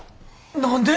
何で！？